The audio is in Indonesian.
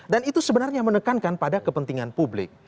dan itu sebenarnya menekankan pada kepentingan publik